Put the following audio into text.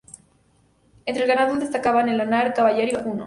Entre el ganado destacaban el lanar, caballar y vacuno.